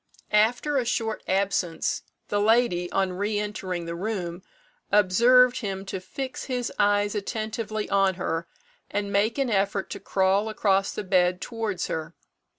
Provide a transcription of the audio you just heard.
After a short absence, the lady, on re entering the room, observed him to fix his eyes attentively on her, and make an effort to crawl across the bed towards her.